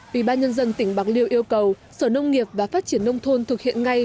ủy ban nhân dân tỉnh bạc liêu yêu cầu sở nông nghiệp và phát triển nông thôn thực hiện ngay